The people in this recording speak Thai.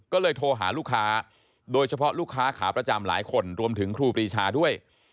ก็เลยโทรหาลูกค้าโดยเฉพาะลูกค้าขาประจำหลายคนรวมถึงครูปรีชาด้วย